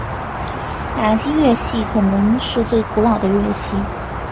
打击乐器可能是最古老的乐器。